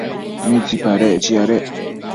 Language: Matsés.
¿mitsipadec chiadec